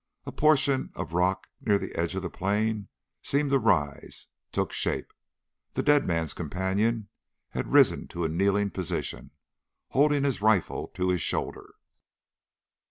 A portion of rock near the edge of the plain seemed to rise took shape. The dead man's companion had risen to a kneeling position, holding his rifle to his shoulder.